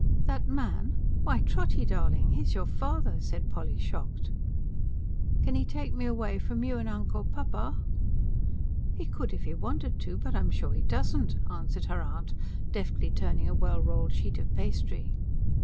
"That man? Why, Trotty darling, he's your father!" said Polly, shocked. "Kin 'e take me away f'om you and Uncle Papa?" "He could if he wanted to. But I'm sure he doesn't," answered her aunt, deftly turning a well rolled sheet of pastry.